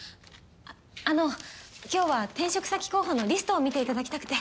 あっあの今日は転職先候補のリストを見ていただきたくて。